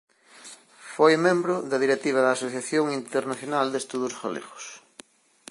Foi membro da directiva da Asociación Internacional de Estudos Galegos.